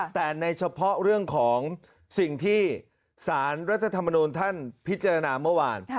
แต่ในเฉพาะเรื่องของสิ่งที่สารรัฐธรรมนูลท่านพิจารณาเมื่อวาน